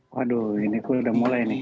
waduh ini kue udah mulai nih